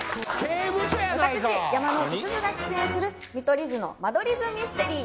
私山之内すずが出演する『見取り図の間取り図ミステリー』